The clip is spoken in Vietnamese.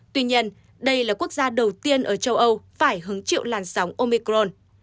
tuy nhiên đây là quốc gia đầu tiên ở châu âu phải hứng chịu làn sóng omicron